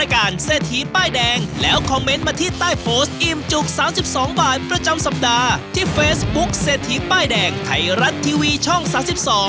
คือสมทรัพย์ที่ป้ายแดงไทรัสที่วีช่องสา๑๒